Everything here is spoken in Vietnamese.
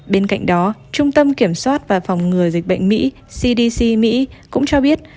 bên cạnh đó trung tâm kiểm soát và phòng ngừa dịch bệnh mỹ cdc mỹ cũng cho biết